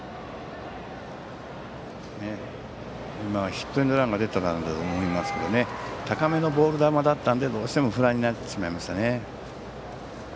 今のはヒットエンドランの指示が出ていたんだと思いますけど高めのボール球だったのでどうしてもフライになってしまいましたね。